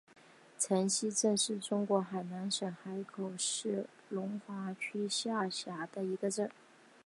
城西镇是中国海南省海口市龙华区下辖的一个镇。